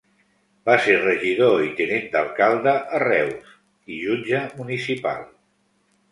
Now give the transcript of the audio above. Va ser regidor i tinent d'alcalde a Reus, i jutge municipal.